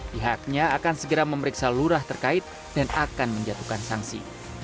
pihaknya akan segera memeriksa lurah terkait dan akan menjatuhkan sanksi